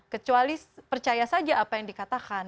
kecuali percaya saja apa yang dikatakan